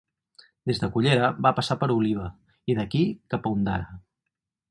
Des de Cullera va passar per Oliva, i d'aquí cap a Ondara.